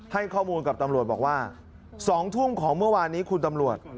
ให้ข้อมูลกับตำรวจบอกว่า๒ทุ่มของเมื่อวานนี้คุณตำรวจ